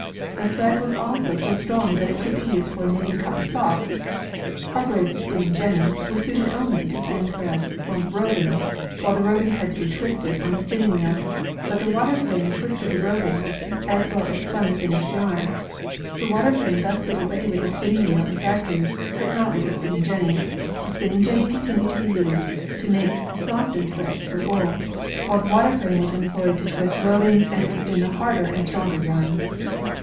The thread was also so strong that it could be used for knitting cotton socks. Hargreaves' spinning jenny was suited only to spin thread from rovings, while the rovings had to be twisted on the spinning wheel. But the water frame twisted the rovings as well as spun the finished yarn. The water frame thus did away with the spinning wheel in factories, but not with the spinning jenny. The spinning jenny continued to be used to make the softer threads for woof, while the 98 INVENTIONS OF MANUFACTURE AND PRODUCTION water frame was employed to twist rovings and to spin the harder and stronger yarns.